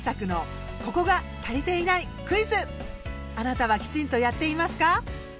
あなたはきちんとやっていますか？